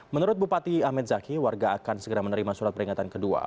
menurut bupati ahmed zaki warga akan segera menerima surat peringatan kedua